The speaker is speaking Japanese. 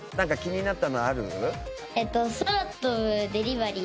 えっと。